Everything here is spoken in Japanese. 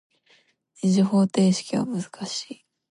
二次方程式は難しい。